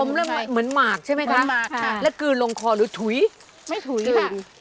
ผมเริ่มเหมือนหมากใช่ไหมคะแล้วกลืนลงคอหรือถุยไม่ถุยค่ะ